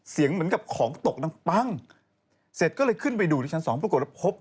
เสียงเหมือนกับของตกดังปั้งเสร็จก็เลยขึ้นไปดูที่ชั้นสองปรากฏว่าพบ